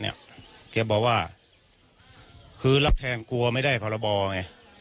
เนี้ยเค้าบอกว่าคือรับแทนกลัวไม่ได้ภาระบอไง